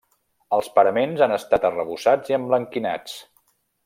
Els paraments han estat arrebossats i emblanquinats.